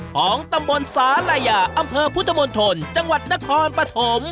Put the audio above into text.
ของตำบลสาลายาอำเภอพุทธมนตรจังหวัดนครปฐม